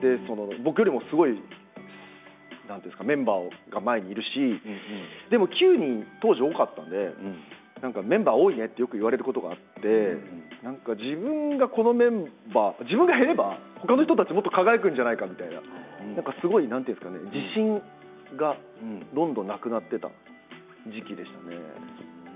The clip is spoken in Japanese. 僕よりもすごいメンバーが前にいるしでも９人、当時多かったのでメンバー多いねとよく言われることがあって自分がこのメンバー自分が減ればこの人たちもっと輝くんじゃないかみたいなすごい自信がどんどんなくなった時期でしたね。